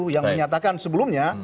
yang menyatakan sebelumnya